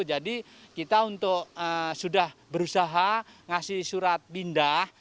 jadi kita untuk sudah berusaha ngasih surat pindah